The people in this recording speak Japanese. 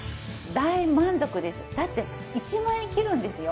大満足ですだって１万円切るんですよ。